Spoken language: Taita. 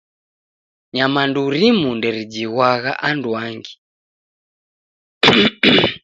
Nyamandu rimu nderijighwagha anduangi.